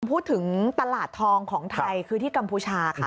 พูดถึงตลาดทองของไทยคือที่กัมพูชาค่ะ